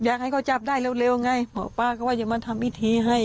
อยากให้เขาจับได้เร็วไงหมอป้าก็ว่าจะมาทำพิธีให้